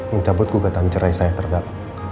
mencabut gugatan cerai saya terdakwa